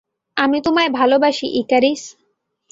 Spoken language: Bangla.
আমি তোমায় ভালোবাসি, ইকারিস।